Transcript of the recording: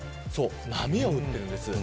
波を打っているんです。